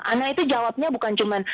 ana itu jawabnya bukan cuma